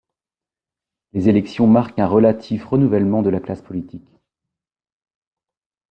Les élections marquent un relatif renouvellement de la classe politique.